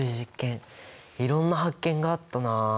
いろんな発見があったな。